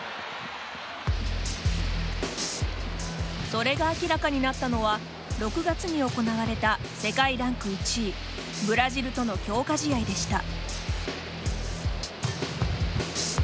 それが明らかになったのは６月に行われた世界ランク１位ブラジルとの強化試合でした。